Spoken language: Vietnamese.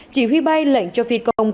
chỉ huy bay lệnh cho phi công